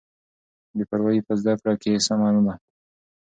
بې پروایي په زده کړه کې سمه نه ده.